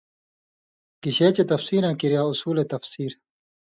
گِشے چے تفسیراں کِریا اُصول تفسیر،